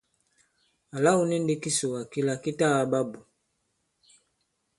Àla wu ni ndī kisùwà kila ki ta kaɓa bù !